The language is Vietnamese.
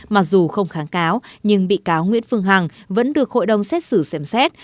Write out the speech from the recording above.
mặc dù không kháng cáo nhưng bị cáo nguyễn phương hằng vẫn được hội đồng xét xử xem xét